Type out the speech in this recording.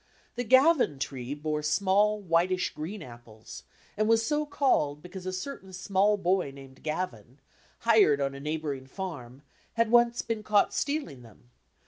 The "Gavin" tree bore small, whitish green apples, and was so called because a certain small boy named Gavin, hired on a neighbouring farm, had once been caught stealing them.